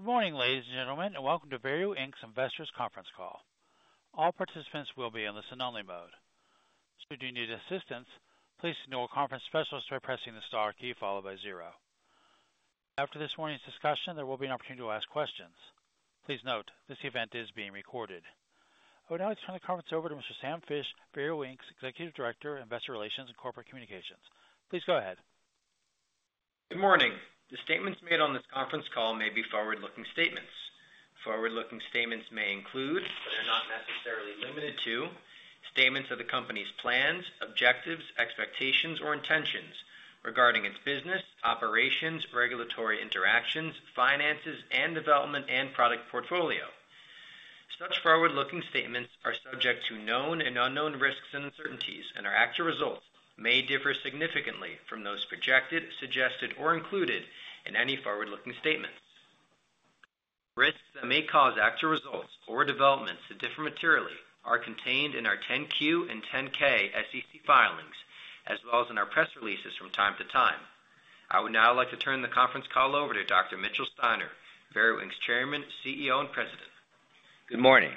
Good morning, ladies and gentlemen, and welcome to Veru Inc.'s Investor Conference Call. All participants will be in the listen-only mode. Should you need assistance, please signal a conference specialist by pressing the star key followed by zero. After this morning's discussion, there will be an opportunity to ask questions. Please note, this event is being recorded. I would now like to turn the conference over to Mr. Sam Fisch, Veru Inc.'s Executive Director of Investor Relations and Corporate Communications. Please go ahead. Good morning. The statements made on this conference call may be forward-looking statements. Forward-looking statements may include, but are not necessarily limited to, statements of the company's plans, objectives, expectations, or intentions regarding its business, operations, regulatory interactions, finances, and development and product portfolio. Such forward-looking statements are subject to known and unknown risks and uncertainties, and our actual results may differ significantly from those projected, suggested, or included in any forward-looking statements. Risks that may cause actual results or developments to differ materially are contained in our 10-Q and 10-K SEC filings, as well as in our press releases from time to time. I would now like to turn the conference call over to Dr. Mitchell Steiner, Veru Inc.'s Chairman, CEO, and President. Good morning.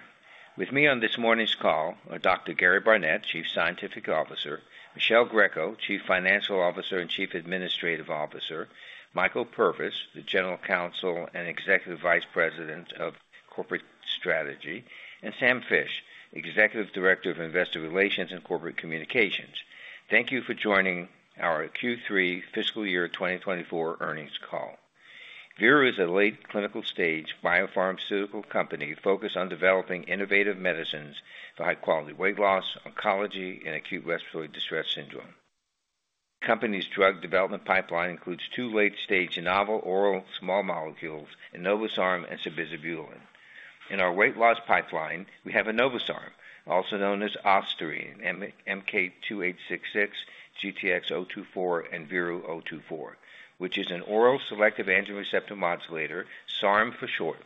With me on this morning's call are Dr. Gary Barnett, Chief Scientific Officer, Michelle Greco, Chief Financial Officer and Chief Administrative Officer, Michael Purvis, the General Counsel and Executive Vice President of Corporate Strategy, and Sam Fisch, Executive Director of Investor Relations and Corporate Communications. Thank you for joining our Q3 fiscal year 2024 earnings call. Veru is a late clinical stage biopharmaceutical company focused on developing innovative medicines for high-quality weight loss, oncology, and acute respiratory distress syndrome. Company's drug development pipeline includes two late-stage novel oral small molecules, enobosarm and sabizabulin. In our weight loss pipeline, we have enobosarm, also known as Ostarine, MK-2866, GTX-024, and VERU-024, which is an oral selective androgen receptor modulator, SARM for short.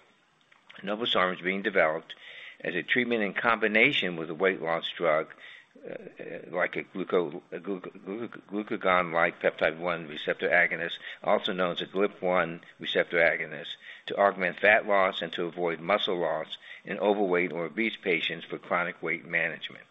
enobosarm is being developed as a treatment in combination with a weight loss drug, like a glucagon-like peptide one receptor agonist, also known as a GLP-1 receptor agonist, to augment fat loss and to avoid muscle loss in overweight or obese patients for chronic weight management.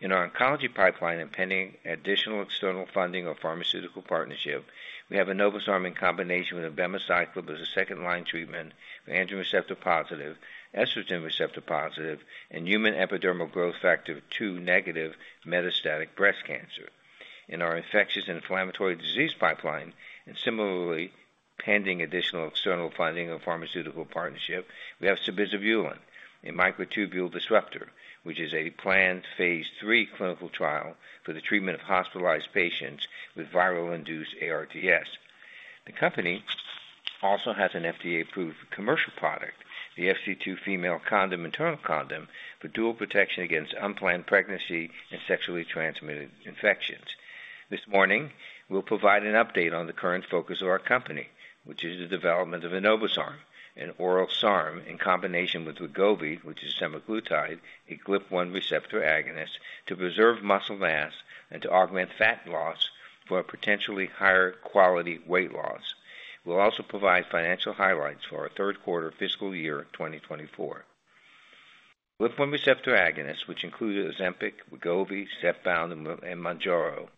In our oncology pipeline, and pending additional external funding or pharmaceutical partnership, we have enobosarm in combination with abemaciclib as a second-line treatment for androgen receptor-positive, estrogen receptor-positive, and human epidermal growth factor two negative metastatic breast cancer. In our infectious and inflammatory disease pipeline, and similarly pending additional external funding or pharmaceutical partnership, we have Sabizabulin, a microtubule disruptor, which is a planned phase 3 clinical trial for the treatment of hospitalized patients with viral-induced ARDS. The company also has an FDA-approved commercial product, the FC2 Female Condom, Internal Condom, for dual protection against unplanned pregnancy and sexually transmitted infections. This morning, we'll provide an update on the current focus of our company, which is the development of enobosarm, an oral SARM, in combination with Wegovy, which is semaglutide, a GLP-1 receptor agonist, to preserve muscle mass and to augment fat loss for a potentially higher quality weight loss. We'll also provide financial highlights for our third quarter fiscal year 2024. GLP-1 receptor agonists, which include Ozempic, Wegovy, Zepbound, and Mounjaro,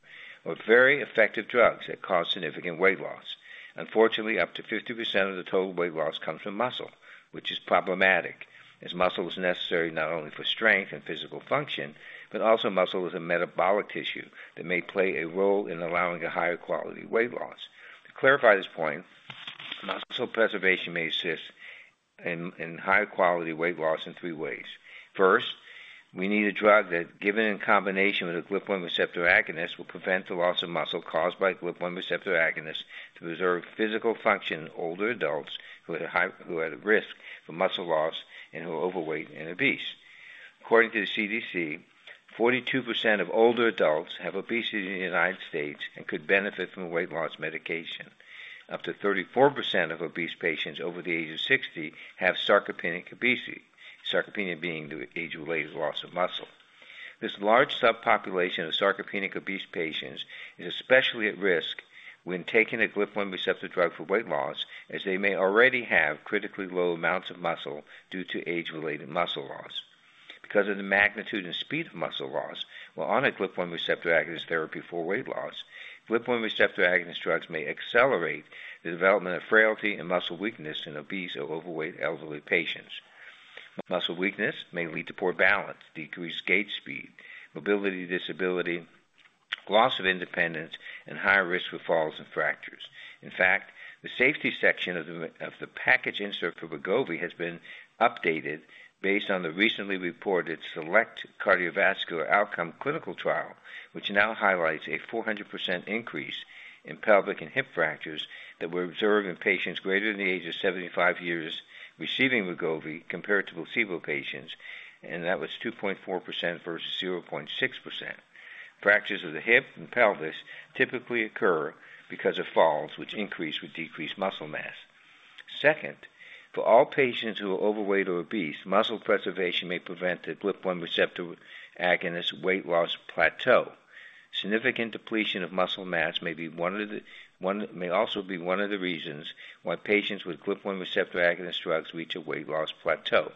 are very effective drugs that cause significant weight loss. Unfortunately, up to 50% of the total weight loss comes from muscle, which is problematic, as muscle is necessary not only for strength and physical function, but also muscle is a metabolic tissue that may play a role in allowing a higher quality weight loss. To clarify this point, muscle preservation may assist in, in higher quality weight loss in three ways. First, we need a drug that, given in combination with a GLP-1 receptor agonist, will prevent the loss of muscle caused by GLP-1 receptor agonist to preserve physical function in older adults who are at high risk for muscle loss and who are overweight and obese. According to the CDC, 42% of older adults have obesity in the United States and could benefit from weight loss medication. Up to 34% of obese patients over the age of 60 have sarcopenic obesity. Sarcopenia being the age-related loss of muscle. This large subpopulation of sarcopenic obese patients is especially at risk when taking a GLP-1 receptor drug for weight loss, as they may already have critically low amounts of muscle due to age-related muscle loss. Because of the magnitude and speed of muscle loss, while on a GLP-1 receptor agonist therapy for weight loss, GLP-1 receptor agonist drugs may accelerate the development of frailty and muscle weakness in obese or overweight elderly patients. Muscle weakness may lead to poor balance, decreased gait speed, mobility, disability, loss of independence, and higher risk for falls and fractures. In fact, the safety section of the package insert for Wegovy has been updated based on the recently reported SELECT Cardiovascular Outcome clinical trial, which now highlights a 400% increase in pelvic and hip fractures that were observed in patients greater than the age of 75 years receiving Wegovy compared to placebo patients, and that was 2.4% versus 0.6%. Fractures of the hip and pelvis typically occur because of falls, which increase with decreased muscle mass. Second, for all patients who are overweight or obese, muscle preservation may prevent the GLP-1 receptor agonist weight loss plateau. Significant depletion of muscle mass may also be one of the reasons why patients with GLP-1 receptor agonist drugs reach a weight loss plateau.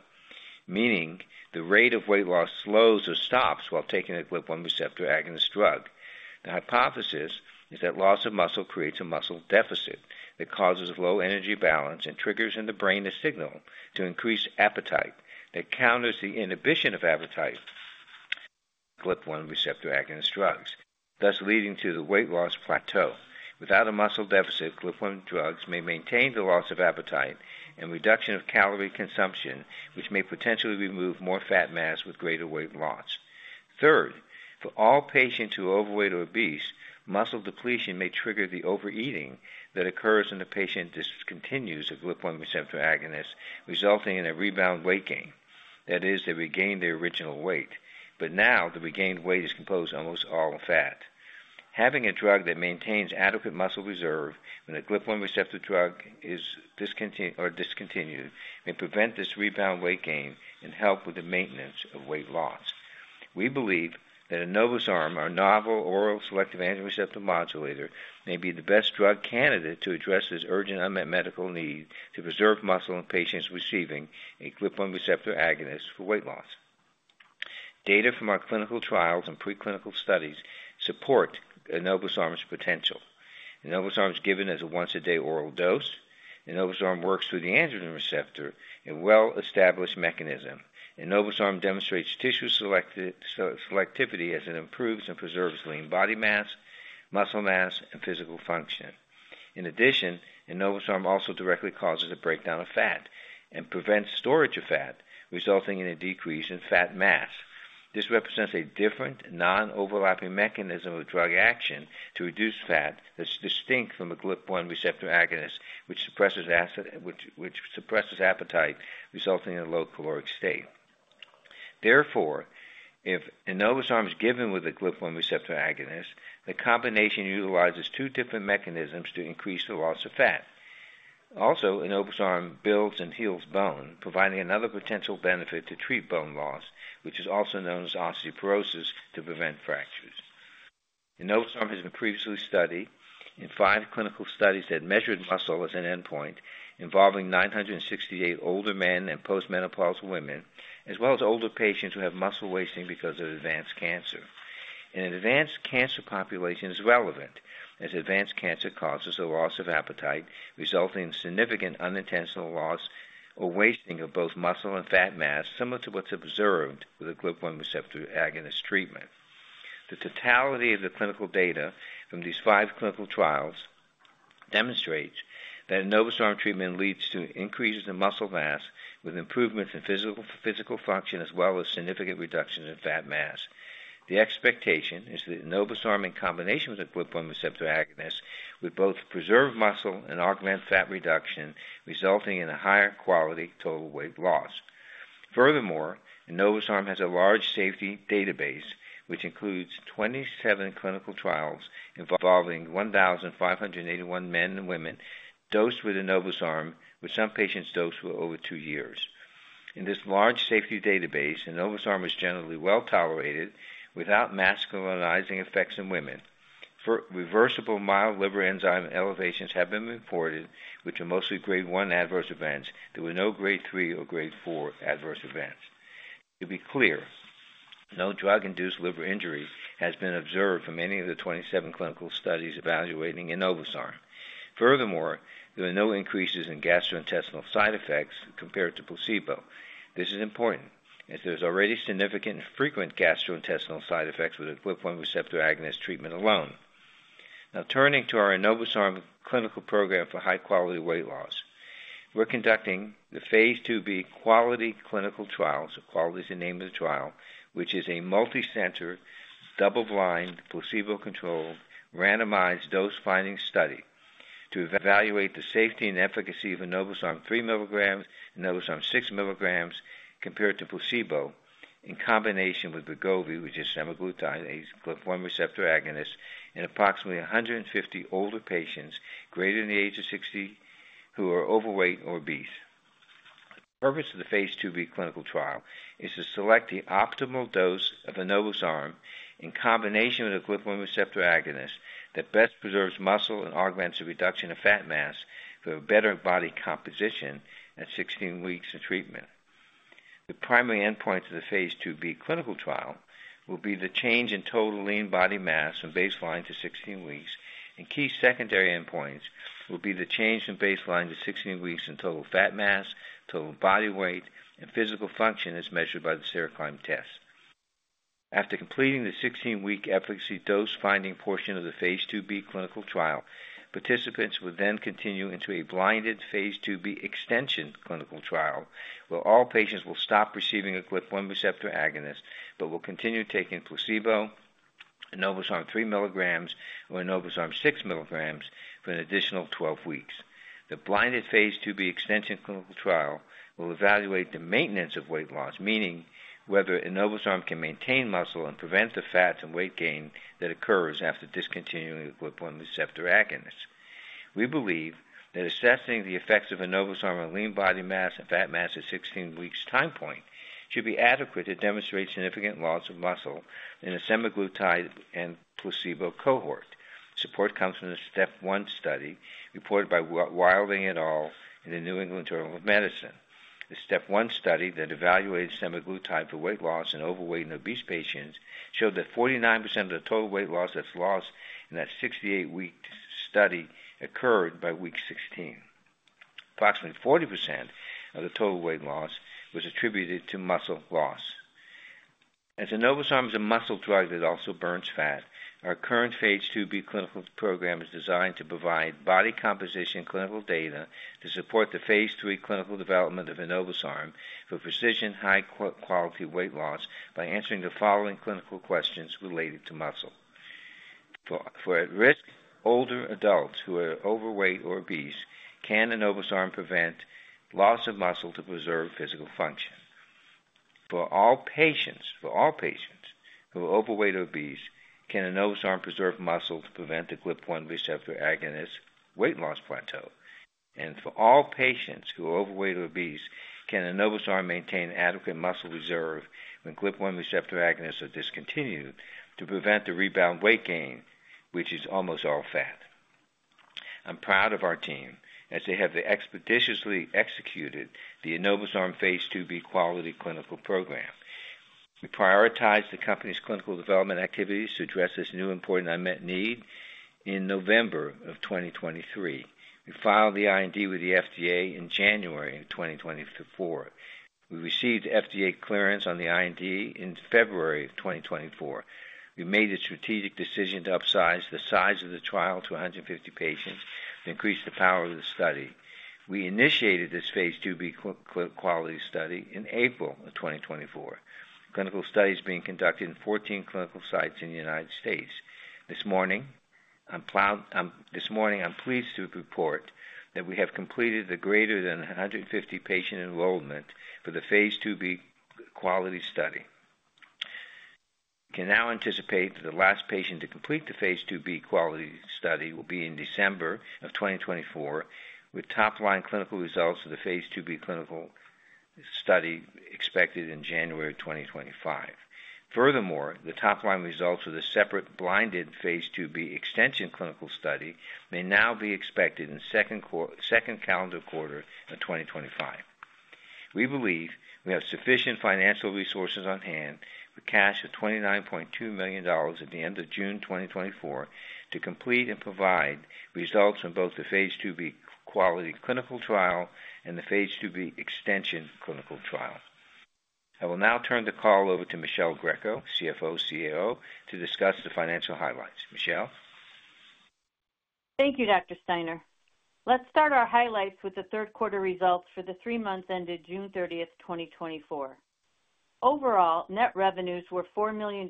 Meaning, the rate of weight loss slows or stops while taking a GLP-1 receptor agonist drug. The hypothesis is that loss of muscle creates a muscle deficit that causes low energy balance and triggers in the brain a signal to increase appetite, that counters the inhibition of appetite, GLP-1 receptor agonist drugs, thus leading to the weight loss plateau. Without a muscle deficit, GLP-1 drugs may maintain the loss of appetite and reduction of calorie consumption, which may potentially remove more fat mass with greater weight loss. Third, for all patients who are overweight or obese, muscle depletion may trigger the overeating that occurs when the patient discontinues a GLP-1 receptor agonist, resulting in a rebound weight gain. That is, they regain their original weight, but now the regained weight is composed of almost all fat. Having a drug that maintains adequate muscle reserve when a GLP-1 receptor drug is discontinued, may prevent this rebound weight gain and help with the maintenance of weight loss. We believe that enobosarm, our novel oral selective androgen receptor modulator, may be the best drug candidate to address this urgent unmet medical need to preserve muscle in patients receiving a GLP-1 receptor agonist for weight loss. Data from our clinical trials and preclinical studies support enobosarm's potential. Enobosarm is given as a once-a-day oral dose. Enobosarm works through the androgen receptor, a well-established mechanism. Enobosarm demonstrates tissue selectivity as it improves and preserves lean body mass, muscle mass, and physical function. In addition, Enobosarm also directly causes a breakdown of fat and prevents storage of fat, resulting in a decrease in fat mass. This represents a different, non-overlapping mechanism of drug action to reduce fat that's distinct from a GLP-1 receptor agonist, which suppresses appetite, resulting in a low caloric state. Therefore, if Enobosarm is given with a GLP-1 receptor agonist, the combination utilizes two different mechanisms to increase the loss of fat. Also, Enobosarm builds and heals bone, providing another potential benefit to treat bone loss, which is also known as osteoporosis, to prevent fractures. Enobosarm has been previously studied in 5 clinical studies that measured muscle as an endpoint, involving 968 older men and postmenopausal women, as well as older patients who have muscle wasting because of advanced cancer. An advanced cancer population is relevant, as advanced cancer causes a loss of appetite, resulting in significant unintentional loss or wasting of both muscle and fat mass, similar to what's observed with a GLP-1 receptor agonist treatment. The totality of the clinical data from these 5 clinical trials demonstrates that Enobosarm treatment leads to increases in muscle mass with improvements in physical function, as well as significant reductions in fat mass. The expectation is that Enobosarm, in combination with a GLP-1 receptor agonist, would both preserve muscle and augment fat reduction, resulting in a higher quality total weight loss. Furthermore, Enobosarm has a large safety database, which includes 27 clinical trials involving 1,581 men and women dosed with Enobosarm, with some patients dosed for over two years. In this large safety database, Enobosarm is generally well-tolerated without masculinizing effects in women. Reversible, mild liver enzyme elevations have been reported, which are mostly Grade one adverse events. There were no Grade three or Grade four adverse events. To be clear, no drug-induced liver injury has been observed from any of the 27 clinical studies evaluating Enobosarm. Furthermore, there are no increases in gastrointestinal side effects compared to placebo. This is important, as there's already significant frequent gastrointestinal side effects with a GLP-1 receptor agonist treatment alone. Now, turning to our Enobosarm clinical program for high-quality weight loss. We're conducting the phase 2b QUALITY clinical trial, so QUALITY is the name of the trial, which is a multicenter, double-blind, placebo-controlled, randomized dose-finding study to evaluate the safety and efficacy of enobosarm 3 milligrams, enobosarm 6 milligrams, compared to placebo, in combination with Wegovy, which is semaglutide, a GLP-1 receptor agonist, in approximately 150 older patients greater than the age of 60, who are overweight or obese. The purpose of the phase 2b clinical trial is to select the optimal dose of enobosarm in combination with a GLP-1 receptor agonist that best preserves muscle and augments the reduction of fat mass for a better body composition at 16 weeks of treatment. The primary endpoints of the Phase 2b clinical trial will be the change in total lean body mass from baseline to 16 weeks, and key secondary endpoints will be the change in baseline to 16 weeks in total fat mass, total body weight, and physical function, as measured by the chair climb test. After completing the 16-week efficacy dose finding portion of the Phase 2b clinical trial, participants will then continue into a blinded Phase 2b extension clinical trial, where all patients will stop receiving a GLP-1 receptor agonist, but will continue taking placebo, Enobosarm 3 milligrams or Enobosarm 6 milligrams for an additional 12 weeks. The blinded Phase 2b extension clinical trial will evaluate the maintenance of weight loss, meaning whether Enobosarm can maintain muscle and prevent the fat and weight gain that occurs after discontinuing the GLP-1 receptor agonist.... We believe that assessing the effects of enobosarm on lean body mass and fat mass at 16 weeks time point should be adequate to demonstrate significant loss of muscle in a semaglutide and placebo cohort. Support comes from the Step 1 study reported by Wilding et al. in the New England Journal of Medicine. The Step 1study that evaluated semaglutide for weight loss in overweight and obese patients showed that 49% of the total weight loss that's lost in that 68-week study occurred by week 16. Approximately 40% of the total weight loss was attributed to muscle loss. As enobosarm is a muscle drug that also burns fat, our current phase IIB clinical program is designed to provide body composition clinical data to support the phase III clinical development of enobosarm for precision, high quality weight loss by answering the following clinical questions related to muscle. For at-risk older adults who are overweight or obese, can enobosarm prevent loss of muscle to preserve physical function? For all patients, for all patients who are overweight or obese, can enobosarm preserve muscle to prevent the GLP-1 receptor agonist weight loss plateau? And for all patients who are overweight or obese, can enobosarm maintain adequate muscle reserve when GLP-1 receptor agonists are discontinued to prevent the rebound weight gain, which is almost all fat? I'm proud of our team as they have expeditiously executed the enobosarm Phase IIB QUALITY clinical program. We prioritized the company's clinical development activities to address this new important unmet need in November 2023. We filed the IND with the FDA in January 2024. We received FDA clearance on the IND in February 2024. We made a strategic decision to upsize the size of the trial to 150 patients to increase the power of the study. We initiated this Phase IIB quality study in April of 2024. Clinical study is being conducted in 14 clinical sites in the United States. This morning, I'm pleased to report that we have completed the greater than 150 patient enrollment for the Phase IIB quality study. We can now anticipate that the last patient to complete the Phase IIB quality study will be in December of 2024, with top-line clinical results of the Phase IIB clinical study expected in January of 2025. Furthermore, the top-line results of the separate blinded Phase IIB extension clinical study may now be expected in second calendar quarter of 2025.We believe we have sufficient financial resources on hand with cash of $29.2 million at the end of June 2024, to complete and provide results on both the Phase IIB QUALITY clinical trial and the Phase IIB extension clinical trial. I will now turn the call over to Michele Greco, CFO, COO, to discuss the financial highlights. Michelle? Thank you, Dr. Steiner. Let's start our highlights with the third quarter results for the three months ended June thirtieth, 2024. Overall, net revenues were $4 million,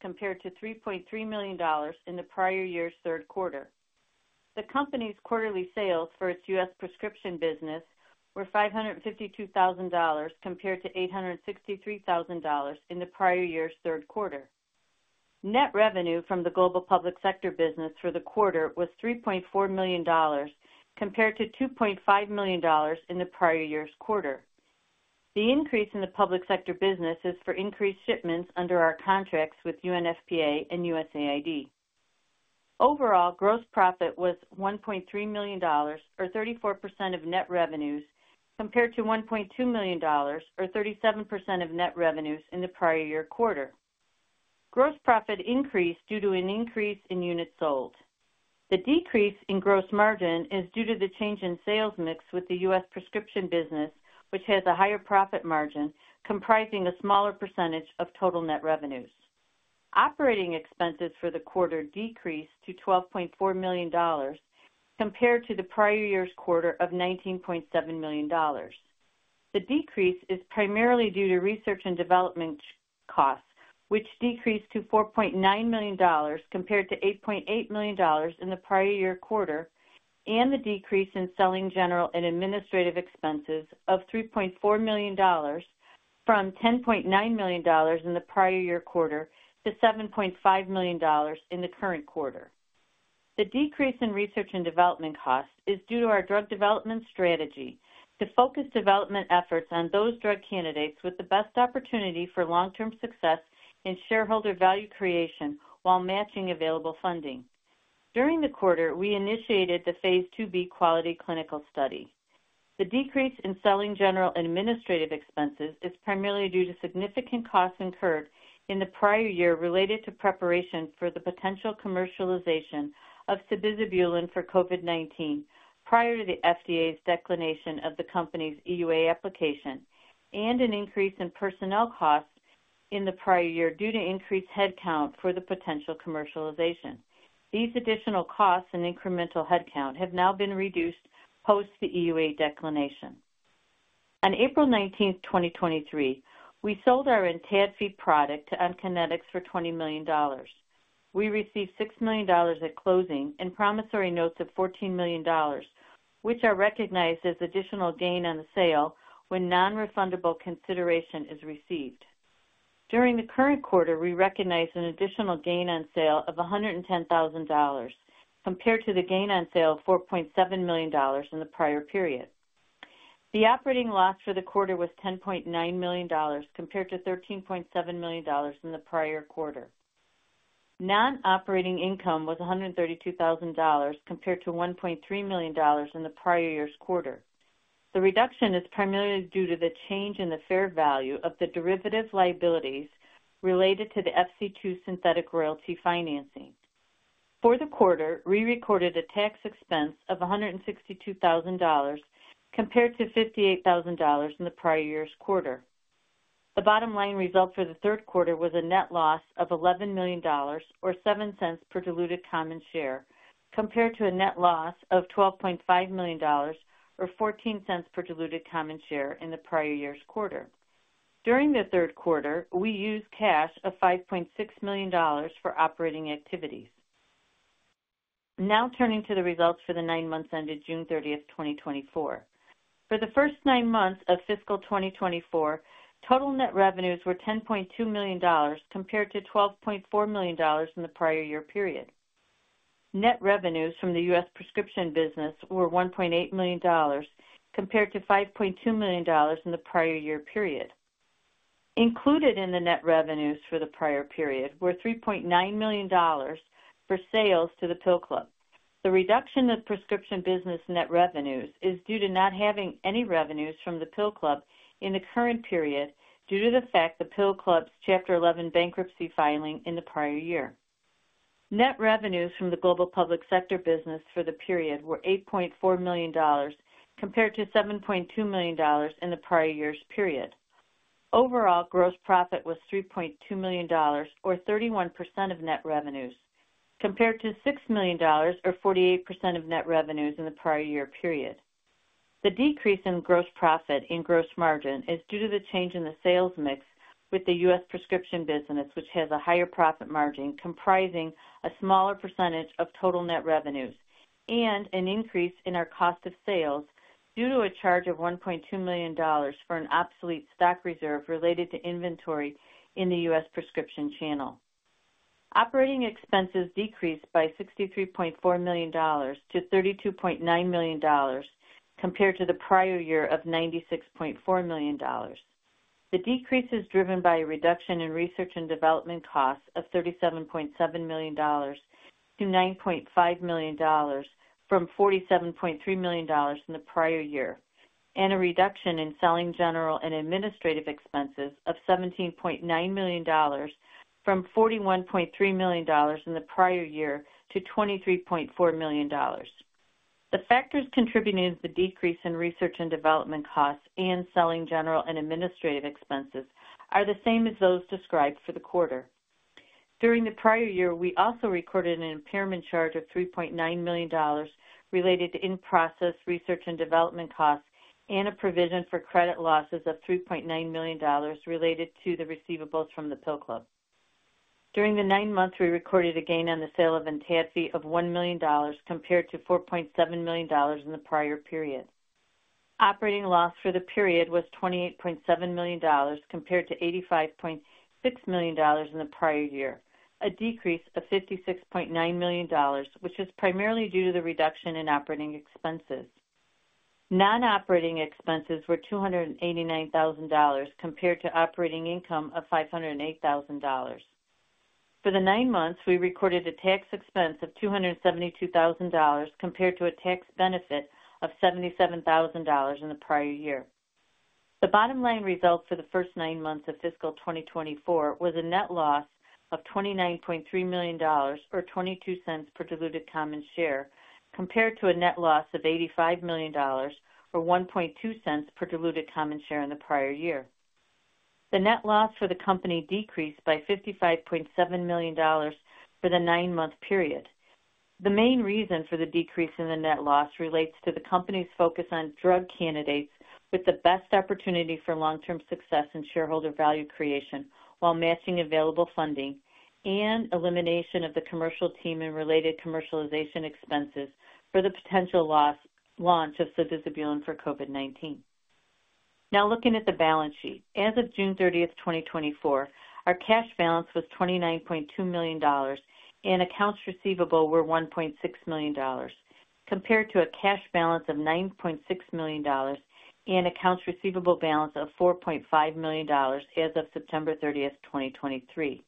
compared to $3.3 million in the prior year's third quarter. The company's quarterly sales for its US prescription business were $552,000, compared to $863,000 in the prior year's third quarter. Net revenue from the global public sector business for the quarter was $3.4 million, compared to $2.5 million in the prior year's quarter. The increase in the public sector business is for increased shipments under our contracts with UNFPA and USAID. Overall, gross profit was $1.3 million, or 34% of net revenues, compared to $1.2 million, or 37% of net revenues in the prior year quarter. Gross profit increased due to an increase in units sold. The decrease in gross margin is due to the change in sales mix with the US prescription business, which has a higher profit margin, comprising a smaller percentage of total net revenues. Operating expenses for the quarter decreased to $12.4 million, compared to the prior year's quarter of $19.7 million. The decrease is primarily due to research and development costs, which decreased to $4.9 million, compared to $8.8 million in the prior year quarter, and the decrease in selling general and administrative expenses of $3.4 million from $10.9 million in the prior year quarter to $7.5 million in the current quarter. The decrease in research and development costs is due to our drug development strategy to focus development efforts on those drug candidates with the best opportunity for long-term success and shareholder value creation, while matching available funding. During the quarter, we initiated the Phase 2b QUALITY clinical study. The decrease in selling, general and administrative expenses is primarily due to significant costs incurred in the prior year related to preparation for the potential commercialization of sabizabulin for COVID-19 prior to the FDA's declination of the company's EUA application and an increase in personnel costs in the prior year due to increased headcount for the potential commercialization. These additional costs and incremental headcount have now been reduced post the EUA declination. On April 19, 2023, we sold our Entadfi product to OnKure for $20 million. We received $6 million at closing and promissory notes of $14 million, which are recognized as additional gain on the sale when non-refundable consideration is received. During the current quarter, we recognized an additional gain on sale of $110,000 compared to the gain on sale of $4.7 million in the prior period. The operating loss for the quarter was $10.9 million, compared to $13.7 million in the prior quarter. Non-operating income was $132,000, compared to $1.3 million in the prior year's quarter. The reduction is primarily due to the change in the fair value of the derivative liabilities related to the FC2 synthetic royalty financing. For the quarter, we recorded a tax expense of $162,000 compared to $58,000 in the prior year's quarter. The bottom line result for the third quarter was a net loss of $11 million or 7 cents per diluted common share, compared to a net loss of $12.5 million or 14 cents per diluted common share in the prior year's quarter. During the third quarter, we used cash of $5.6 million for operating activities. Now turning to the results for the nine months ended June 30, 2024. For the first nine months of fiscal 2024, total net revenues were $10.2 million, compared to $12.4 million in the prior year period. Net revenues from the US prescription business were $1.8 million, compared to $5.2 million in the prior year period. Included in the net revenues for the prior period were $3.9 million for sales to The Pill Club. The reduction of prescription business net revenues is due to not having any revenues from The Pill Club in the current period, due to the fact the Pill Club's Chapter 11 bankruptcy filing in the prior year. Net revenues from the Global Public Sector business for the period were $8.4 million, compared to $7.2 million in the prior year's period. Overall, gross profit was $3.2 million, or 31% of net revenues, compared to $6 million, or 48% of net revenues in the prior year period. The decrease in gross profit and gross margin is due to the change in the sales mix with the US prescription business, which has a higher profit margin, comprising a smaller percentage of total net revenues, and an increase in our cost of sales due to a charge of $1.2 million for an obsolete stock reserve related to inventory in the US prescription channel. Operating expenses decreased by $63.4 million to $32.9 million, compared to the prior year of $96.4 million. The decrease is driven by a reduction in research and development costs of $37.7 million to $9.5 million from $47.3 million in the prior year, and a reduction in selling general and administrative expenses of $17.9 million from $41.3 million in the prior year to $23.4 million. The factors contributing to the decrease in research and development costs and selling general and administrative expenses are the same as those described for the quarter. During the prior year, we also recorded an impairment charge of $3.9 million related to in-process research and development costs, and a provision for credit losses of $3.9 million related to the receivables from The Pill Club. During the nine months, we recorded a gain on the sale of Entadfi of $1 million compared to $4.7 million in the prior period. Operating loss for the period was $28.7 million, compared to $85.6 million in the prior year, a decrease of $56.9 million, which is primarily due to the reduction in operating expenses. Non-operating expenses were $289,000 compared to operating income of $508,000. For the nine months, we recorded a tax expense of $272,000 compared to a tax benefit of $77,000 in the prior year. The bottom line results for the first nine months of fiscal 2024 were a net loss of $29.3 million, or $0.22 per diluted common share, compared to a net loss of $85 million or $0.012 per diluted common share in the prior year. The net loss for the company decreased by $55.7 million for the nine-month period. The main reason for the decrease in the net loss relates to the company's focus on drug candidates with the best opportunity for long-term success and shareholder value creation, while matching available funding and elimination of the commercial team and related commercialization expenses for the potential lost launch of sotrovimab for COVID-19. Now looking at the balance sheet. As of June 30, 2024, our cash balance was $29.2 million and accounts receivable were $1.6 million, compared to a cash balance of $9.6 million and accounts receivable balance of $4.5 million as of September 30, 2023.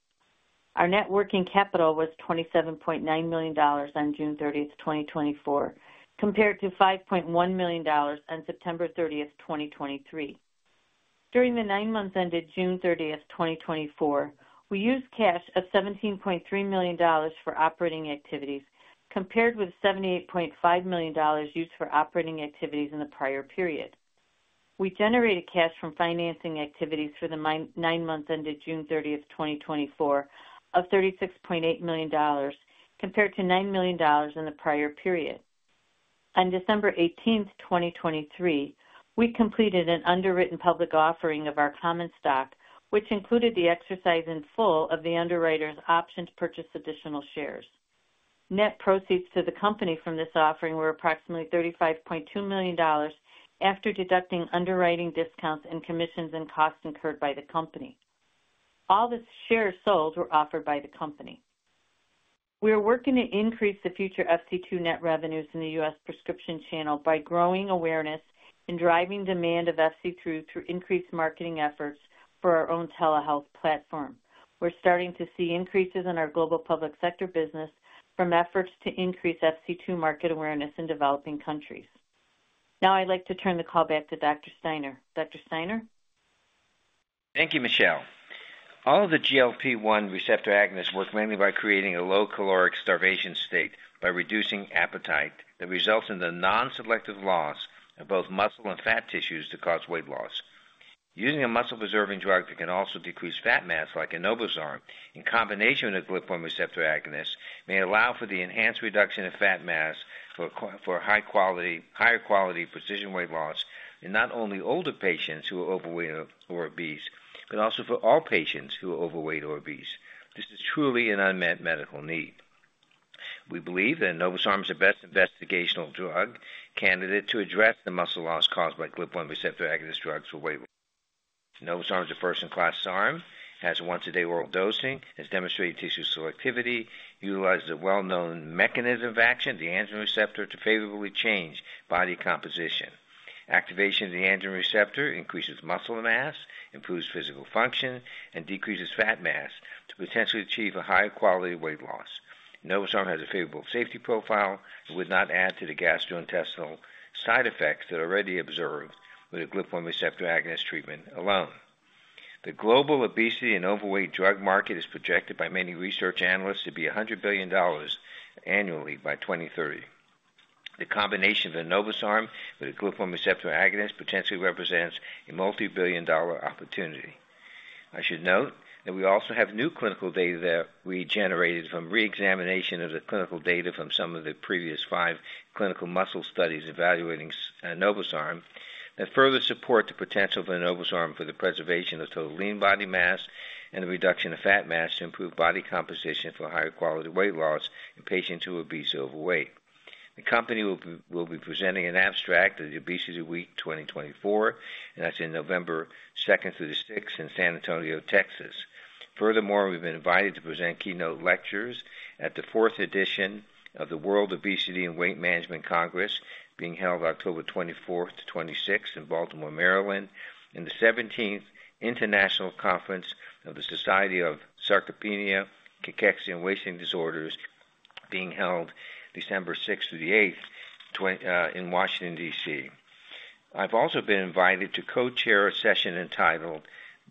Our net working capital was $27.9 million on June 30, 2024, compared to $5.1 million on September 30, 2023. During the nine months ended June 30, 2024, we used cash of $17.3 million for operating activities, compared with $78.5 million used for operating activities in the prior period. We generated cash from financing activities for the nine months ended June 30, 2024, of $36.8 million, compared to $9 million in the prior period. On December eighteenth, 2023, we completed an underwritten public offering of our common stock, which included the exercise in full of the underwriter's option to purchase additional shares. Net proceeds to the company from this offering were approximately $35.2 million after deducting underwriting discounts and commissions and costs incurred by the company. All the shares sold were offered by the company. We are working to increase the future FC2 net revenues in the US prescription channel by growing awareness and driving demand of FC2 through increased marketing efforts for our own telehealth platform. We're starting to see increases in our global public sector business from efforts to increase FC2 market awareness in developing countries. Now I'd like to turn the call back to Dr. Steiner. Dr. Steiner? Thank you, Michelle. All of the GLP-1 receptor agonists work mainly by creating a low caloric starvation state, by reducing appetite that results in the non-selective loss of both muscle and fat tissues to cause weight loss. Using a muscle-preserving drug that can also decrease fat mass, like enobosarm, in combination with a GLP-1 receptor agonist, may allow for the enhanced reduction of fat mass for a high quality, higher quality precision weight loss in not only older patients who are overweight or obese, but also for all patients who are overweight or obese. This is truly an unmet medical need. We believe that enobosarm is the best investigational drug candidate to address the muscle loss caused by GLP-1 receptor agonist drugs for weight loss. Enobosarm is a first-in-class SARM, has a once a day oral dosing, has demonstrated tissue selectivity, utilizes a well-known mechanism of action, the androgen receptor, to favorably change body composition. Activation of the androgen receptor increases muscle mass, improves physical function, and decreases fat mass to potentially achieve a higher quality of weight loss. Enobosarm has a favorable safety profile and would not add to the gastrointestinal side effects that are already observed with a GLP-1 receptor agonist treatment alone. The global obesity and overweight drug market is projected by many research analysts to be $100 billion annually by 2030. The combination of Enobosarm with a GLP-1 receptor agonist potentially represents a multibillion-dollar opportunity. I should note that we also have new clinical data that we generated from reexamination of the clinical data from some of the previous five clinical muscle studies evaluating enobosarm that further support the potential of enobosarm for the preservation of total lean body mass and the reduction of fat mass to improve body composition for higher quality weight loss in patients who are obese or overweight. The company will be presenting an abstract at the Obesity Week 2024, and that's in November second through the sixth in San Antonio, Texas. Furthermore, we've been invited to present keynote lectures at the fourth edition of the World Obesity and Weight Management Congress, being held October twenty-fourth to twenty-sixth in Baltimore, Maryland, and the seventeenth International Conference of the Society of Sarcopenia, Cachexia, and Wasting Disorders, being held December sixth through the eighth in Washington, D.C. I've also been invited to co-chair a session entitled: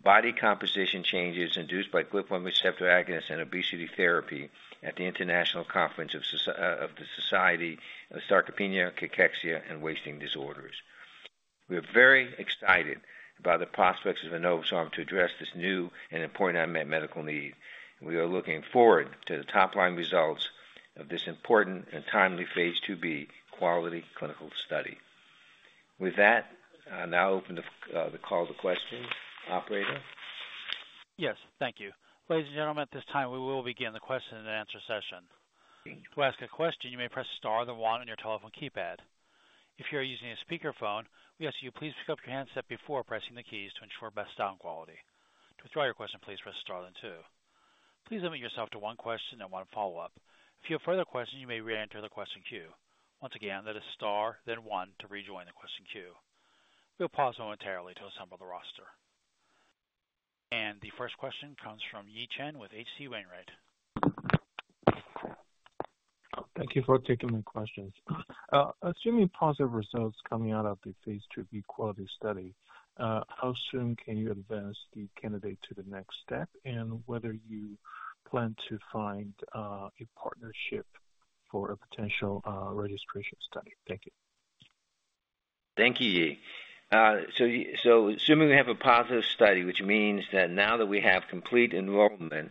Body Composition Changes Induced by GLP-1 Receptor Agonists and Obesity Therapy at the International Conference of the Society of Sarcopenia, Cachexia, and Wasting Disorders. We are very excited about the prospects of enobosarm to address this new and important unmet medical need. We are looking forward to the top-line results of this important and timely Phase 2b QUALITY clinical study. With that, I'll now open the call to questions. Operator? Yes, thank you. Ladies and gentlemen, at this time, we will begin the question and answer session. To ask a question, you may press star, then one on your telephone keypad. If you are using a speakerphone, we ask you please pick up your handset before pressing the keys to ensure best sound quality. To withdraw your question, please press star then two. Please limit yourself to one question and one follow-up. If you have further questions, you may reenter the question queue. Once again, that is star, then one to rejoin the question queue. We'll pause momentarily to assemble the roster. The first question comes from Yi Chen with H.C. Wainwright. Thank you for taking my questions. Assuming positive results coming out of the phase 2b QUALITY study, how soon can you advance the candidate to the next step? And whether you plan to find a partnership for a potential registration study? Thank you. Thank you, Yi. So Yi, so assuming we have a positive study, which means that now that we have complete enrollment,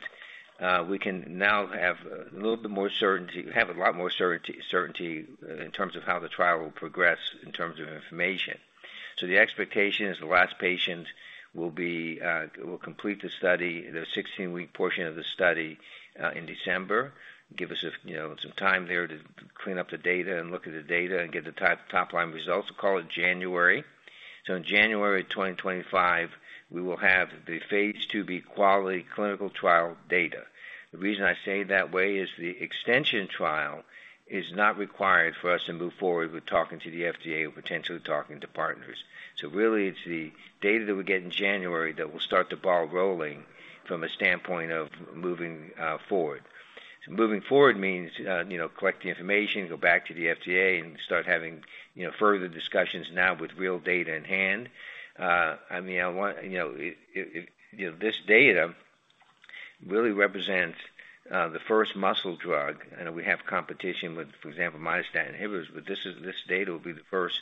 we can now have a little bit more certainty, have a lot more certainty, certainty in terms of how the trial will progress, in terms of information. So the expectation is the last patient will be, will complete the study, the 16-week portion of the study, in December. Give us a, you know, some time there to clean up the data and look at the data and get the top, top-line results. We'll call it January. So in January 2025, we will have the Phase 2b QUALITY clinical trial data. The reason I say it that way is the extension trial is not required for us to move forward with talking to the FDA or potentially talking to partners. So really, it's the data that we get in January that will start the ball rolling from a standpoint of moving forward. So moving forward means, you know, collect the information, go back to the FDA, and start having, you know, further discussions now with real data in hand. I mean, I want... You know, it, it, you know, this data really represents the first muscle drug, and we have competition with, for example, myostatin inhibitors, but this is, this data will be the first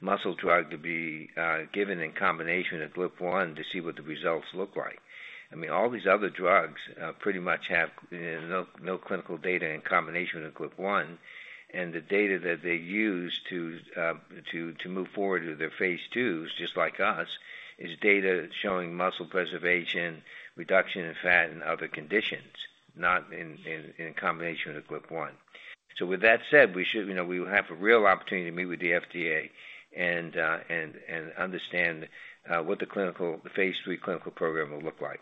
muscle drug to be given in combination with GLP-1 to see what the results look like. I mean, all these other drugs pretty much have no clinical data in combination with GLP-1, and the data that they use to move forward with their Phase 2s, just like us, is data showing muscle preservation, reduction in fat and other conditions... not in combination with the GLP-1. So with that said, we should, you know, we will have a real opportunity to meet with the FDA and understand what the clinical, the Phase III clinical program will look like.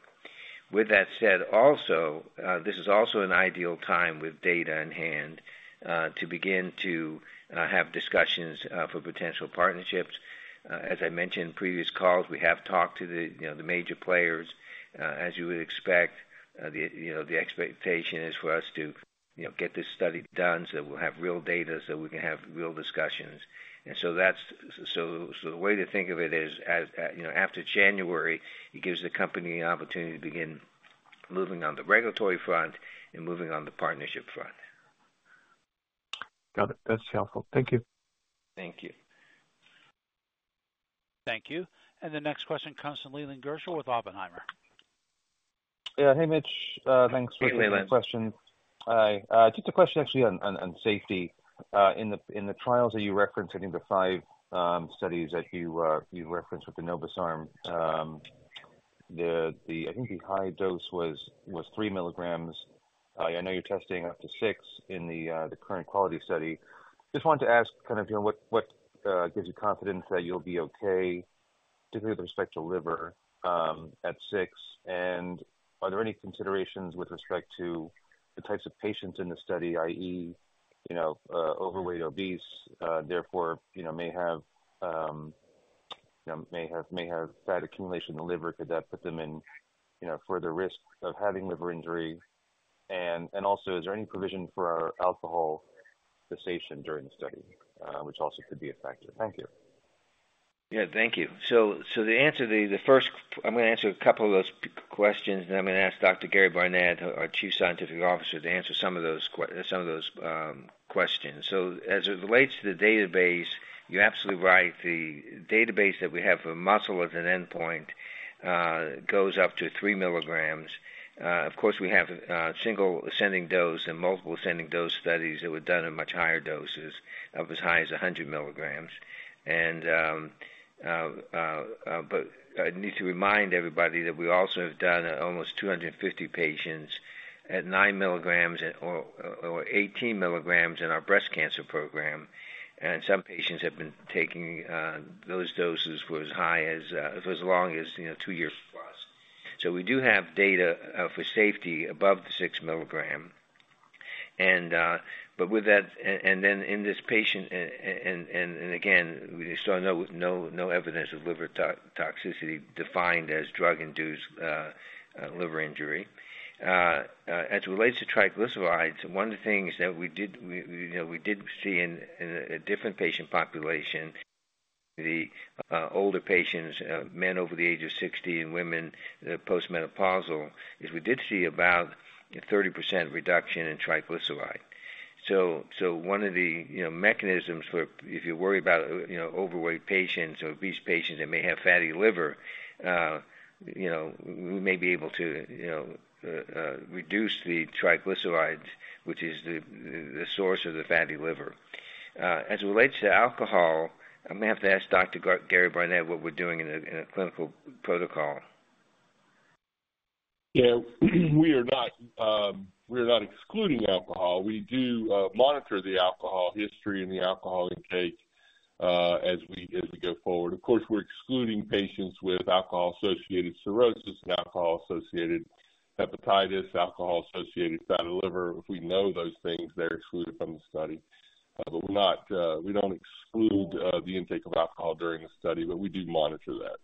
With that said, also, this is also an ideal time with data in hand to begin to have discussions for potential partnerships. As I mentioned in previous calls, we have talked to the, you know, the major players, as you would expect. You know, the expectation is for us to, you know, get this study done so that we'll have real data, so we can have real discussions. So the way to think of it is as, you know, after January, it gives the company an opportunity to begin moving on the regulatory front and moving on the partnership front. Got it. That's helpful. Thank you. Thank you. Thank you. The next question comes from Leland Gerschel with Oppenheimer. Yeah. Hey, Mitch, thanks for taking the question. Hey, Leland. Hi, just a question actually on safety. In the trials that you referenced, I think the five studies that you referenced with the enobosarm, I think the high dose was three milligrams. I know you're testing up to six in the current QUALITY study. Just wanted to ask, kind of, you know, what gives you confidence that you'll be okay, particularly with respect to liver at six? And are there any considerations with respect to the types of patients in the study, i.e., you know, overweight, obese, therefore, you know, may have fat accumulation in the liver? Could that put them in further risk of having liver injury? Also, is there any provision for alcohol cessation during the study, which also could be a factor? Thank you. Yeah, thank you. So the answer to the first... I'm going to answer a couple of those questions, then I'm going to ask Dr. Gary Barnett, our Chief Scientific Officer, to answer some of those questions. So as it relates to the database, you're absolutely right. The database that we have for muscle as an endpoint goes up to 3 milligrams. Of course, we have single ascending dose and multiple ascending dose studies that were done at much higher doses, of as high as 100 milligrams. But I need to remind everybody that we also have done almost 250 patients at 9 milligrams or 18 milligrams in our breast cancer program, and some patients have been taking those doses for as high as for as long as, you know, 2 years+. So we do have data for safety above the 6 milligram. But with that, and then in this patient and again, we saw no evidence of liver toxicity defined as drug-induced liver injury. As it relates to triglycerides, one of the things that we did, we know, we did see in a different patient population, the older patients, men over the age of 60 and women post-menopausal, is we did see about a 30% reduction in triglyceride. So one of the mechanisms for if you're worried about overweight patients or obese patients that may have fatty liver, you know, we may be able to reduce the triglycerides, which is the source of the fatty liver. As it relates to alcohol, I'm going to have to ask Dr. Gary Barnett what we're doing in a clinical protocol. Yeah, we are not excluding alcohol. We do monitor the alcohol history and the alcohol intake as we go forward. Of course, we're excluding patients with alcohol-associated cirrhosis and alcohol-associated hepatitis, alcohol-associated fatty liver. If we know those things, they're excluded from the study. But we're not, we don't exclude the intake of alcohol during the study, but we do monitor that.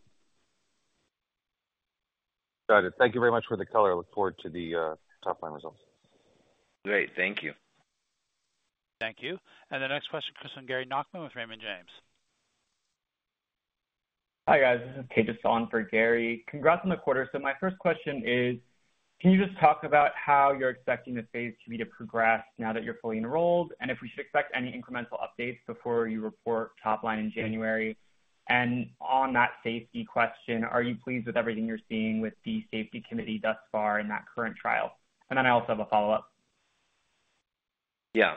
Got it. Thank you very much for the color. I look forward to the top-line results. Great. Thank you. Thank you. And the next question comes from Gary Nachman with Raymond James. Hi, guys. This is Tejas on for Gary. Congrats on the quarter. So my first question is, can you just talk about how you're expecting the Phase II to progress now that you're fully enrolled, and if we should expect any incremental updates before you report top line in January? And on that safety question, are you pleased with everything you're seeing with the safety committee thus far in that current trial? And then I also have a follow-up. Yeah.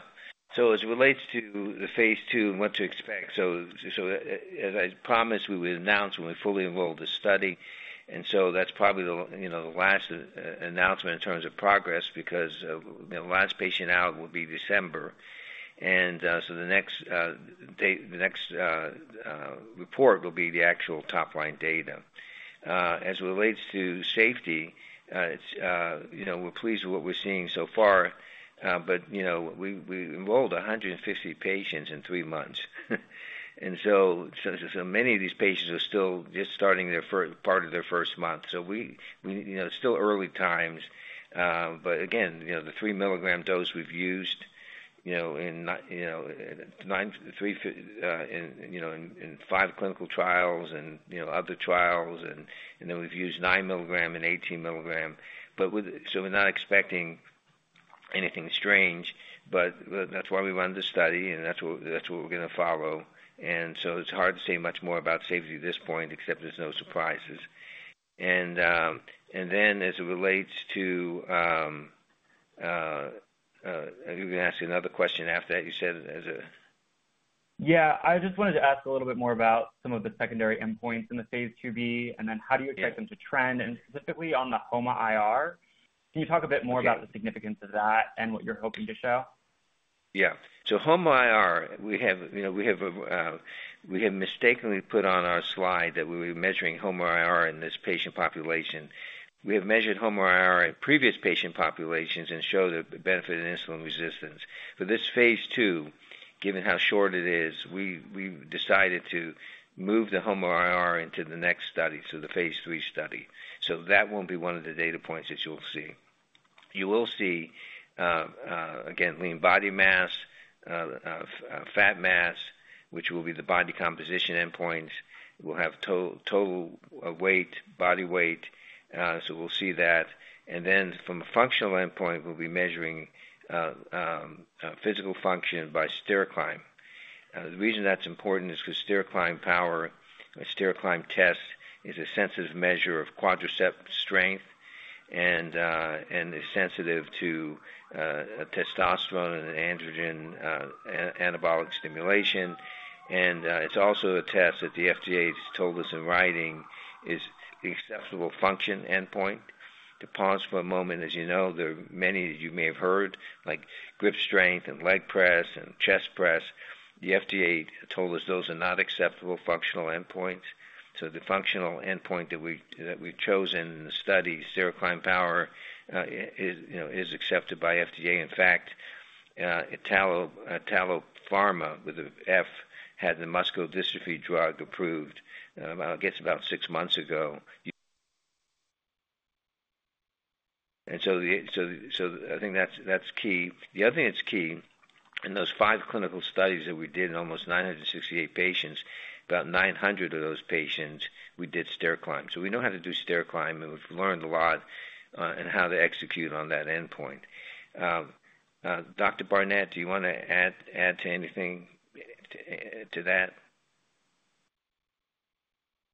So as it relates to the Phase II and what to expect, so as I promised, we would announce when we fully enrolled the study. And so that's probably the, you know, the last announcement in terms of progress, because the last patient out will be December. And so the next date, the next report will be the actual top-line data. As it relates to safety, it's you know, we're pleased with what we're seeing so far, but you know, we enrolled 150 patients in three months. And so many of these patients are still just starting their first part of their first month. So we, you know, it's still early times, but again, you know, the 3 milligram dose we've used, you know, in 93 in 5 clinical trials and, you know, other trials, and then we've used 9 milligram and 18 milligram. So we're not expecting anything strange, but that's why we run the study, and that's what we're gonna follow. And so it's hard to say much more about safety at this point, except there's no surprises. And then as it relates to, you can ask another question after that, you said as a-... Yeah, I just wanted to ask a little bit more about some of the secondary endpoints in the Phase 2b, and then how do you expect them to trend? And specifically on the HOMA-IR, can you talk a bit more about the significance of that and what you're hoping to show? Yeah. So HOMA-IR, we have, you know, we have mistakenly put on our slide that we were measuring HOMA-IR in this patient population. We have measured HOMA-IR in previous patient populations and show the benefit in insulin resistance. For this phase 2, given how short it is, we, we've decided to move the HOMA-IR into the next study, so the phase 3 study. So that won't be one of the data points that you'll see. You will see, again, lean body mass, fat mass, which will be the body composition endpoint. We'll have total weight, body weight, so we'll see that. And then from a functional endpoint, we'll be measuring physical function by stair climb. The reason that's important is because stair climb power, a stair climb test is a sensitive measure of quadriceps strength and, and is sensitive to, testosterone and androgen, anabolic stimulation. And, it's also a test that the FDA has told us in writing is the acceptable function endpoint. To pause for a moment, as you know, there are many that you may have heard, like grip strength and leg press and chest press. The FDA told us those are not acceptable functional endpoints. So the functional endpoint that we, that we've chosen in the study, stair climb power, is, you know, is accepted by FDA. In fact, Taro Pharma, with an F, had the muscular dystrophy drug approved, I guess about six months ago. And so the, so, so I think that's, that's key. The other thing that's key, in those five clinical studies that we did in almost 968 patients, about 900 of those patients, we did stair climb. So we know how to do stair climb, and we've learned a lot on how to execute on that endpoint. Dr. Barnett, do you want to add to anything to that?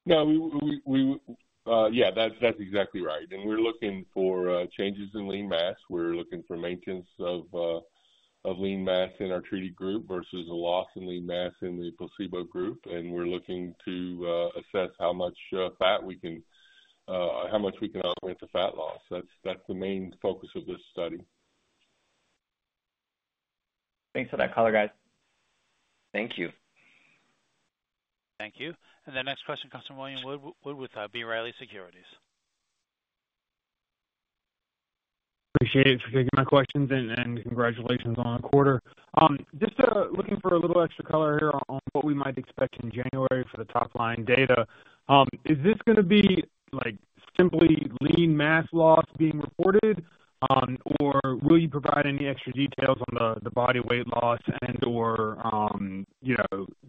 No, yeah, that's exactly right. And we're looking for changes in lean mass. We're looking for maintenance of lean mass in our treated group versus a loss in lean mass in the placebo group. And we're looking to assess how much fat we can, how much we can augment the fat loss. That's the main focus of this study. Thanks for that color, guys. Thank you. Thank you. The next question comes from William Wood with B. Riley Securities. Appreciate it for taking my questions, and congratulations on the quarter. Just looking for a little extra color here on what we might expect in January for the top-line data. Is this gonna be, like, simply lean mass loss being reported, or will you provide any extra details on the body weight loss and/or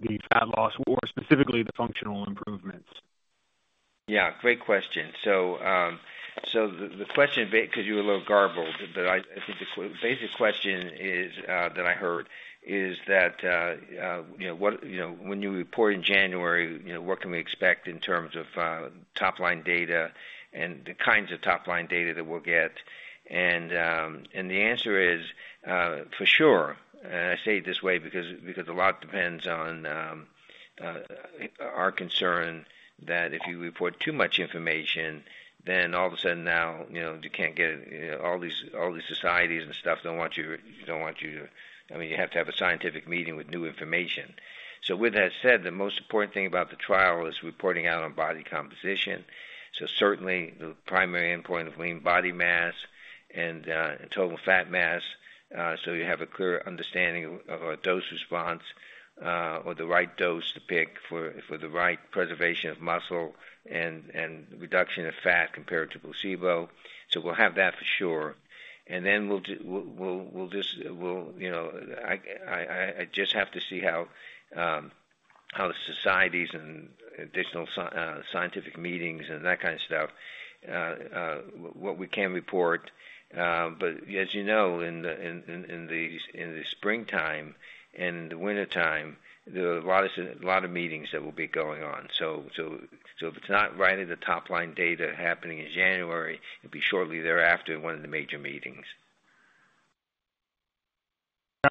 the fat loss, or specifically the functional improvements? Yeah, great question. So, the question, because you were a little garbled, but I think the basic question is that I heard is that, you know, what, you know, when you report in January, you know, what can we expect in terms of top-line data and the kinds of top-line data that we'll get? And the answer is, for sure, and I say it this way because a lot depends on our concern that if you report too much information, then all of a sudden now, you know, you can't get, you know, all these societies and stuff don't want you to, don't want you to... I mean, you have to have a scientific meeting with new information. So with that said, the most important thing about the trial is reporting out on body composition. So certainly the primary endpoint of lean body mass and total fat mass, so you have a clear understanding of our dose response, or the right dose to pick for the right preservation of muscle and reduction of fat compared to placebo. So we'll have that for sure. And then we'll just, you know, I just have to see how the societies and additional scientific meetings and that kind of stuff, what we can report. But as you know, in the springtime and the wintertime, there are a lot of meetings that will be going on. So, if it's not right in the top-line data happening in January, it'll be shortly thereafter at one of the major meetings.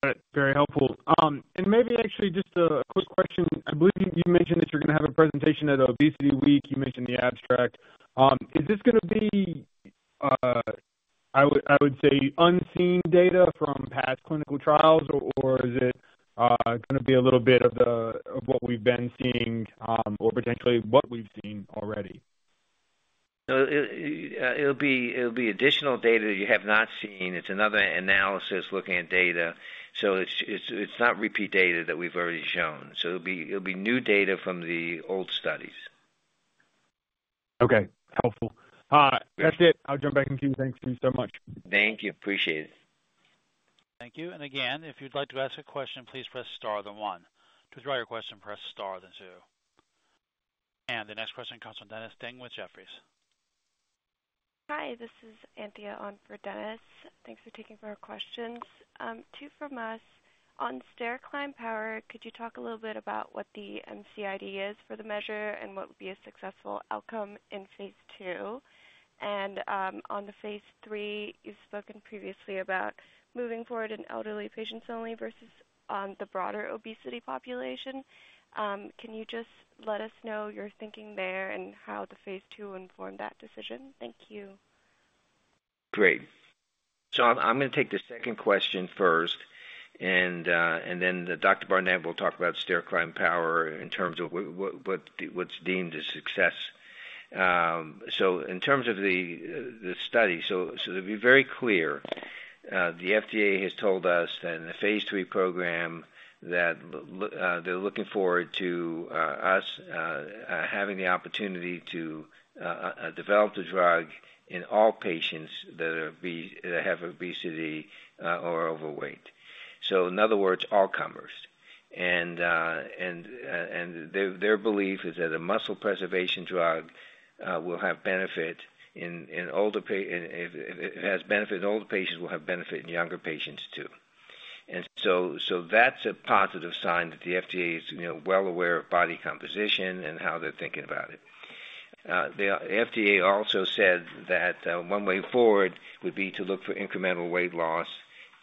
Got it. Very helpful. And maybe actually, just a quick question. I believe you mentioned that you're gonna have a presentation at Obesity Week. You mentioned the abstract. Is this gonna be, I would say, unseen data from past clinical trials, or is it gonna be a little bit of what we've been seeing, or potentially what we've seen already? No, it, it, it'll be, it'll be additional data you have not seen. It's another analysis looking at data, so it's, it's, it's not repeat data that we've already shown. So it'll be, it'll be new data from the old studies. Okay. Helpful. That's it. I'll jump back in queue. Thank you so much. Thank you. Appreciate it. Thank you. And again, if you'd like to ask a question, please press star then one. To withdraw your question, press star then two. And the next question comes from Dennis Ding with Jefferies. Hi, this is Anthea on for Dennis. Thanks for taking our questions. 2 from us. On stair climb power, could you talk a little bit about what the MCID is for the measure and what would be a successful outcome in phase 2? And, on the phase 3, you've spoken previously about moving forward in elderly patients only versus the broader obesity population. Can you just let us know your thinking there and how the phase 2 informed that decision? Thank you. Great. So I'm going to take the second question first, and then Dr. Barnett will talk about stair climb power in terms of what's deemed a success. So in terms of the study, to be very clear, the FDA has told us that in the phase 3 program that they're looking forward to us having the opportunity to develop the drug in all patients that have obesity or are overweight. So in other words, all comers. Their belief is that a muscle preservation drug will have benefit in older patients if it has benefit in older patients, will have benefit in younger patients, too. So that's a positive sign that the FDA is, you know, well aware of body composition and how they're thinking about it. The FDA also said that one way forward would be to look for incremental weight loss.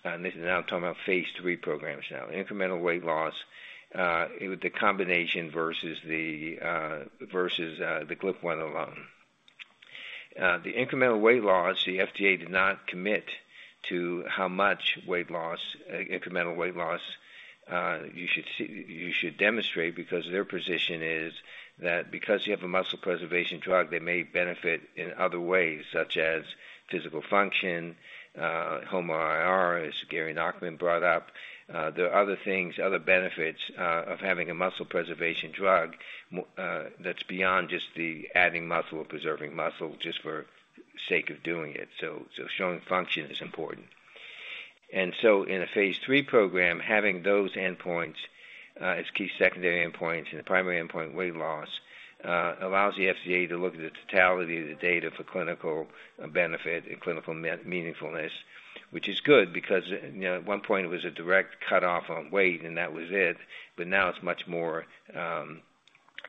And this is now I'm talking about phase 3 programs now. Incremental weight loss with the combination versus the versus the GLP-1 alone. The incremental weight loss, the FDA did not commit to how much weight loss, incremental weight loss, you should see—you should demonstrate, because their position is that because you have a muscle preservation drug, they may benefit in other ways, such as physical function, HOMA-IR, as Gary Nachman brought up. There are other things, other benefits, of having a muscle preservation drug, that's beyond just the adding muscle or preserving muscle just for the sake of doing it. So, showing function is important. And so in a Phase 3 program, having those endpoints, as key secondary endpoints, and the primary endpoint, weight loss, allows the FDA to look at the totality of the data for clinical benefit and clinical meaningfulness, which is good because, you know, at one point it was a direct cutoff on weight, and that was it. But now it's much more,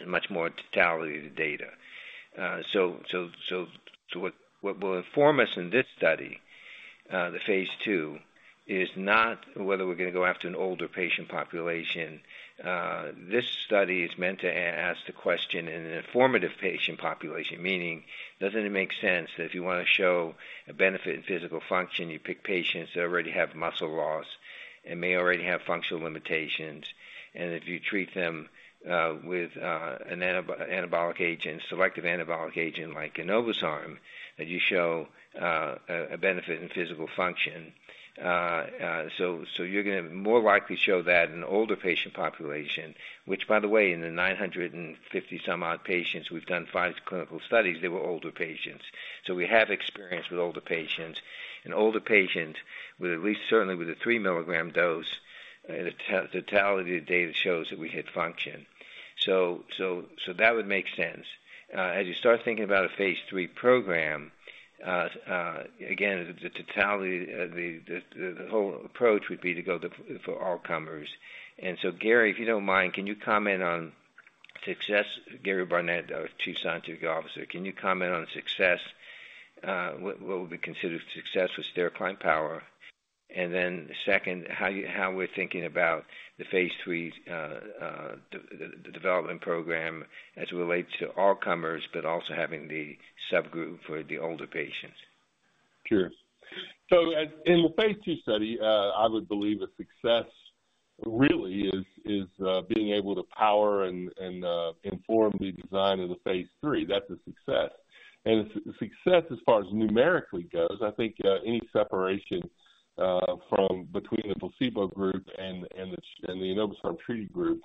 much more totality of the data. So, what will inform us in this study, the Phase 2, is not whether we're going to go after an older patient population. This study is meant to ask the question in an informative patient population, meaning, doesn't it make sense that if you want to show a benefit in physical function, you pick patients that already have muscle loss and may already have functional limitations, and if you treat them with an anabolic agent, selective anabolic agent like enobosarm, that you show a benefit in physical function? So you're going to more likely show that in an older patient population, which, by the way, in the 950 some odd patients, we've done five clinical studies, they were older patients. So we have experience with older patients. In older patients, with at least certainly with a three milligram dose, the totality of data shows that we hit function. So that would make sense. As you start thinking about a phase 3 program, again, the totality, the whole approach would be to go for all comers. And so, Gary, if you don't mind, can you comment on success? Gary Barnett, our Chief Scientific Officer, can you comment on success, what would be considered success with stair climb power? And then second, how we're thinking about the phase 3 development program as it relates to all comers, but also having the subgroup for the older patients. Sure. So as in the phase 2 study, I would believe a success really is being able to power and inform the design of the phase 3. That's a success. And success as far as numerically goes, I think, any separation from between the placebo group and the enobosarm treated group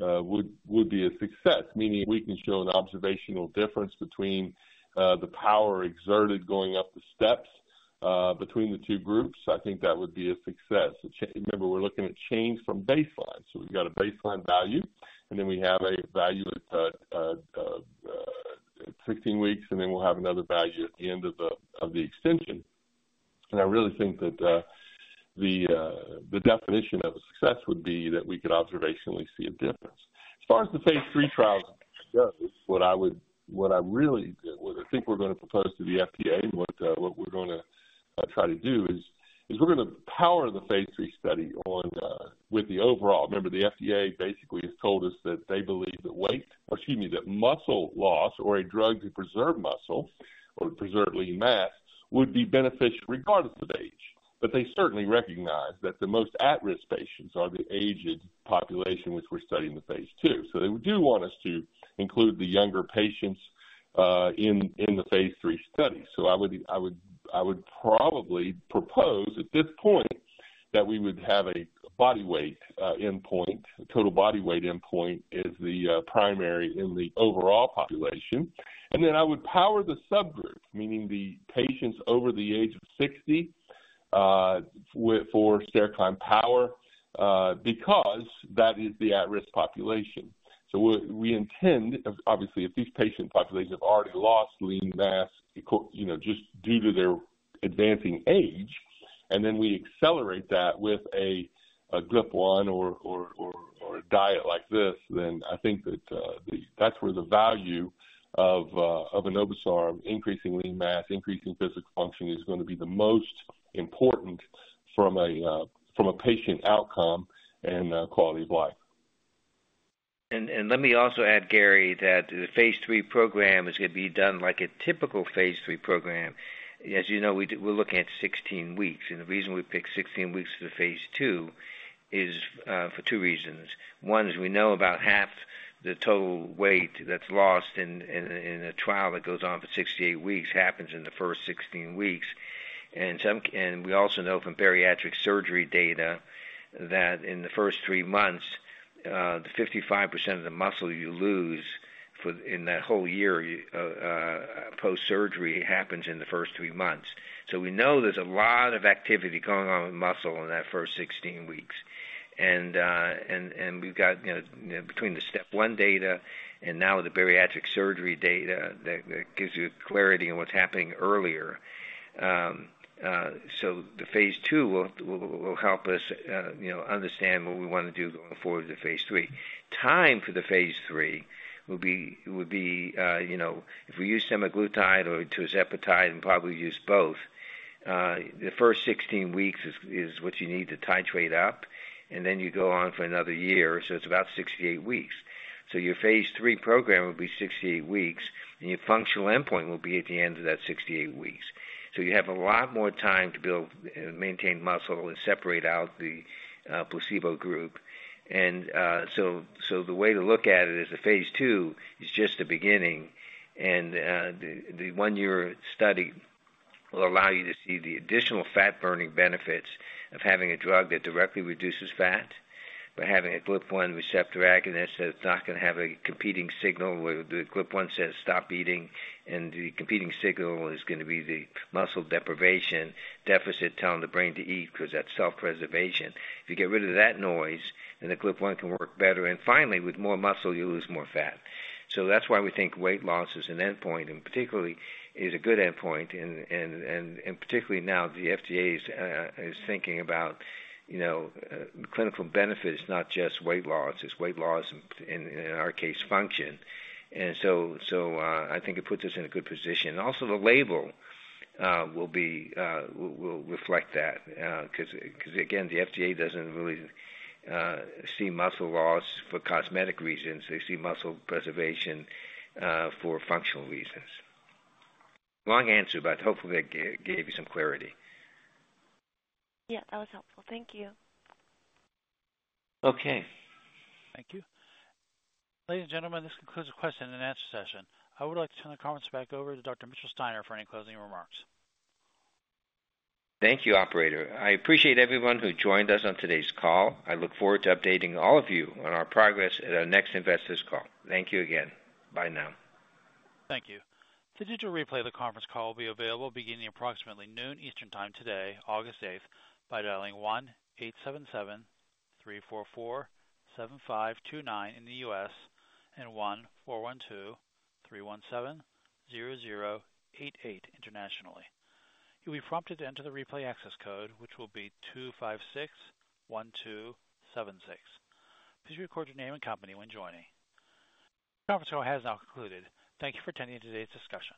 would be a success. Meaning we can show an observational difference between the power exerted going up the steps between the two groups. I think that would be a success. Remember, we're looking at change from baseline, so we've got a baseline value, and then we have a value at 16 weeks, and then we'll have another value at the end of the extension. I really think that the definition of success would be that we could observationally see a difference. As far as the phase 3 trials goes, what I would—what I really, what I think we're going to propose to the FDA and what we're going to try to do is we're going to power the phase 3 study on with the overall. Remember, the FDA basically has told us that they believe that weight, excuse me, that muscle loss or a drug to preserve muscle or preserve lean mass, would be beneficial regardless of age. But they certainly recognize that the most at-risk patients are the aged population, which we're studying the phase 2. So they do want us to include the younger patients in the phase 3 study. So I would probably propose at this point that we would have a body weight endpoint. Total body weight endpoint is the primary in the overall population. And then I would power the subgroup, meaning the patients over the age of 60 with stair climb power because that is the at-risk population. So what we intend, obviously, if these patient populations have already lost lean mass, you know, just due to their advancing age, and then we accelerate that with a GLP-1 or a diet like this, then I think that that's where the value of an enobosarm, increasing lean mass, increasing physical function, is going to be the most important from a patient outcome and quality of life. And let me also add, Gary, that the phase 3 program is going to be done like a typical phase 3 program. As you know, we do, we're looking at 16 weeks, and the reason we picked 16 weeks for the phase 2 is for 2 reasons. One is we know about half the total weight that's lost in a trial that goes on for 68 weeks happens in the first 16 weeks. And we also know from bariatric surgery data that in the first 3 months, the 55% of the muscle you lose for in that whole year post-surgery happens in the first 3 months. So we know there's a lot of activity going on with muscle in that first 16 weeks. And we've got, you know, between the step 1 data and now the bariatric surgery data, that gives you clarity on what's happening earlier. So the phase 2 will help us, you know, understand what we want to do going forward to phase 3. Time for the phase 3 will be, you know, if we use semaglutide or tirzepatide and probably use both, the first 16 weeks is what you need to titrate up, and then you go on for another year, so it's about 68 weeks. So your phase 3 program will be 68 weeks, and your functional endpoint will be at the end of that 68 weeks. So you have a lot more time to build and maintain muscle and separate out the placebo group. So the way to look at it is the phase two is just the beginning, and the one-year study will allow you to see the additional fat-burning benefits of having a drug that directly reduces fat, but having a GLP-1 receptor agonist, that it's not going to have a competing signal, where the GLP-1 says, "Stop eating," and the competing signal is going to be the muscle deprivation deficit, telling the brain to eat because that's self-preservation. If you get rid of that noise, then the GLP-1 can work better. And finally, with more muscle, you lose more fat. So that's why we think weight loss is an endpoint, and particularly is a good endpoint, and particularly now the FDA is thinking about, you know, clinical benefits, not just weight loss. It's weight loss in our case, function. So, I think it puts us in a good position. Also, the label will reflect that, 'cause again, the FDA doesn't really see muscle loss for cosmetic reasons. They see muscle preservation for functional reasons. Long answer, but hopefully that gave you some clarity. Yeah, that was helpful. Thank you. Okay. Thank you. Ladies and gentlemen, this concludes the question and answer session. I would like to turn the conference back over to Dr. Mitchell Steiner for any closing remarks. Thank you, operator. I appreciate everyone who joined us on today's call. I look forward to updating all of you on our progress at our next investors call. Thank you again. Bye now. Thank you. The digital replay of the conference call will be available beginning approximately noon Eastern time today, August eighth, by dialing 1-877-344-7529 in the US and 1-412-317-0088 internationally. You'll be prompted to enter the replay access code, which will be 2561276. Please record your name and company when joining. Conference call has now concluded. Thank you for attending today's discussion.